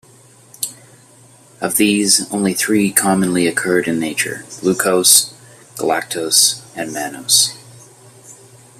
Of these, only three commonly occur in nature: -glucose, -galactose, and -mannose.